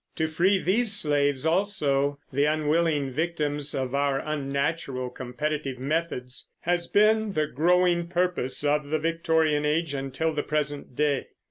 To free these slaves also, the unwilling victims of our unnatural competitive methods, has been the growing purpose of the Victorian Age until the present day.